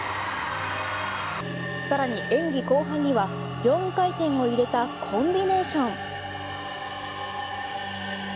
更に演技後半には４回転を入れたコンビネーション。